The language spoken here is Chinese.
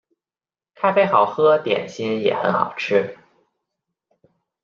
咖啡好喝，点心也很好吃